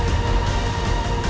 sampai jumpa lagi